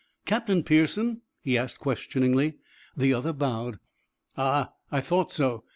"Captain Pearson?" he asked questioningly. The other bowed. "Ah, I thought so.